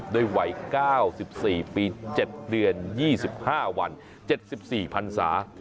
ด้วยวัย๙๔ปี๗เดือน๒๕วัน๗๔พันศา